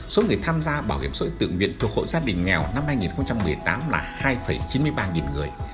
số người tham gia bảo hiểm xã hội tự nguyện thuộc hộ gia đình nghèo năm hai nghìn một mươi tám là hai chín mươi ba người